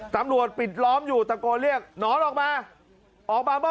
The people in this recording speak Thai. ตำรวจปิดล้อมอยู่ตะโกนเรียกหนอนออกมา